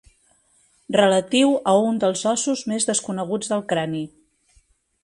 Relatiu a un dels ossos més desconeguts del crani.